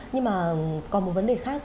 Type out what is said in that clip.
nhưng mà còn một vấn đề khác